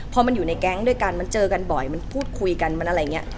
พอมันอยู่ในแก๊งด้วยกันมันเจอกันบ่อยมันพูดคุยกันมันอะไรอย่างนี้